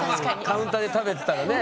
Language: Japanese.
カウンターで食べてたらね。